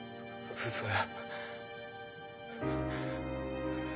うそや。